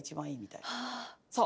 そう。